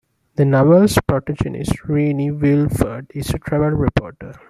The novel's protagonist Rennie Wilford is a travel reporter.